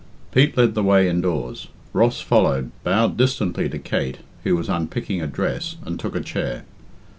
Pete led the way indoors. Ross followed, bowed distantly to Kate, who was unpicking a dress, and took a chair.